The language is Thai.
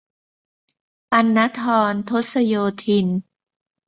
ปัณณธร ทศโยธิน